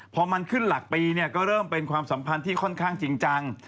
พอมันขึ้นหลักปีเนี่ยก็เริ่มเป็นความสัมพันธ์ที่ค่อนข้างจริงจัง